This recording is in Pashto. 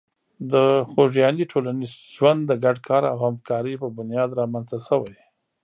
د خوږیاڼي ټولنیز ژوند د ګډ کار او همکاري په بنیاد رامنځته شوی.